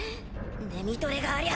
デミトレがありゃ。